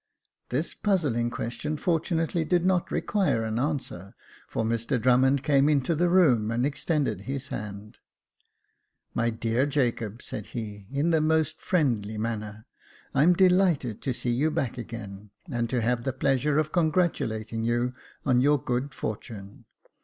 This puzzling question fortunately did not require an answer, for Mr Drummond came into the room and ex tended his hand. " My dear Jacob," said he, in the most friendly manner, " I'm delighted to see you back again, and to have the pleasure of congratulating you on your good fortune.